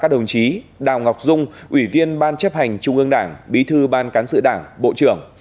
đồng chí đào ngọc dung ủy viên ban chấp hành trung ương đảng bí thư ban cán sự đảng bộ trưởng